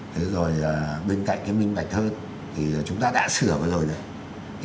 thế rồi bên cạnh cái minh bạch hơn thì chúng ta đã sửa rồi đấy